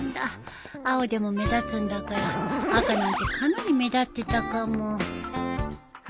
青でも目立つんだから赤なんてかなり目立ってたかも